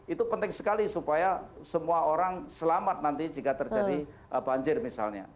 itu penting sekali supaya semua orang selamat nanti jika terjadi banjir misalnya